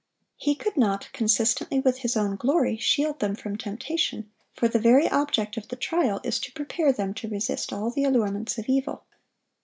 He could not, consistently with His own glory, shield them from temptation; for the very object of the trial is to prepare them to resist all the allurements of evil.